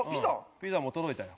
ピザも届いたよ。